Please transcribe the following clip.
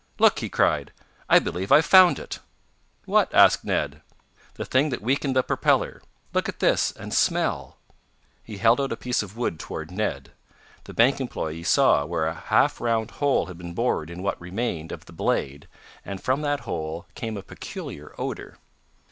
"Look!" he cried. "I believe I've found it." "What?" asked Ned. "The thing that weakened the propeller. Look at this, and smell!" He held out a piece of wood toward Ned. The bank employee saw where a half round hole had been bored in what remained of the blade, and from that hole came a peculiar odor.